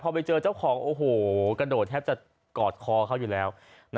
พอไปเจอเขาโอ้โฮววววววววโกรธแทบจะกอดคออยู่แล้ว